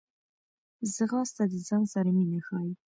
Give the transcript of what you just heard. ځغاسته د ځان سره مینه ښيي